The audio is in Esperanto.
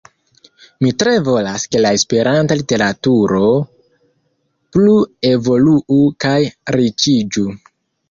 Mi tre volas, ke la Esperanta literaturo plu evoluu kaj riĉiĝu.